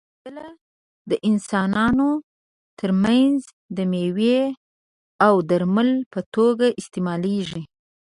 سنځله د انسانانو تر منځ د مېوې او درمل په توګه استعمالېږي.